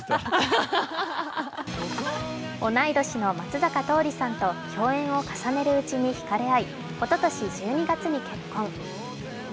同い年の松坂桃李さんと共演を重ねるうちにひかれ合いおととし１２月に結婚。